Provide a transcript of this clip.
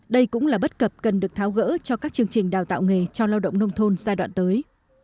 đây cũng là bất cập cần được tháo gỡ cho các chương trình đào tạo nghề cho lao động nông thôn giai đoạn tới